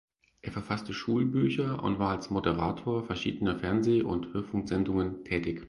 Er verfasste Schulbücher und war als Moderator verschiedener Fernseh- und Hörfunksendungen tätig.